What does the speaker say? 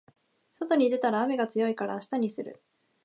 外に出たら雨が強いから明日にする